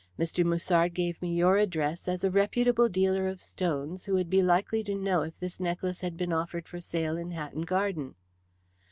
Mr. Musard gave me your address as a reputable dealer of stones who would be likely to know if this necklace had been offered for sale in Hatton Garden."